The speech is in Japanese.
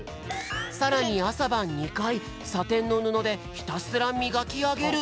さらにあさばん２かいサテンのぬのでひたすらみがきあげる。